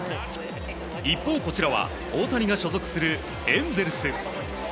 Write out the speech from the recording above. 一方こちらは大谷が所属するエンゼルス。